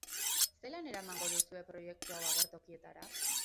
Zelan eramango duzue proiektu hau agertokietara?